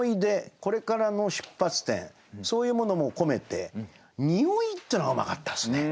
これからの出発点そういうものも込めて「匂い」っていうのがうまかったですね。